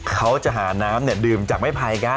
เขาจะหาน้ำดื่มจากไม้ไผ่กัน